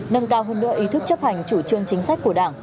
nâng cao hơn nữa ý thức chấp hành chủ trương chính sách của đảng